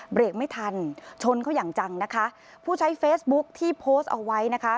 เบรกไม่ทันชนเขาอย่างจังนะคะผู้ใช้เฟซบุ๊คที่โพสต์เอาไว้นะคะ